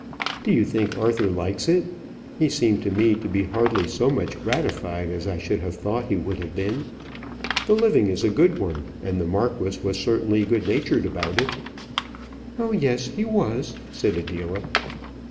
"Do you think Arthur likes it? He seemed to me to be hardly so much gratified as I should have thought he would have been. The living is a good one, and the marquis was certainly good natured about it." "Oh, yes, he was," said Adela.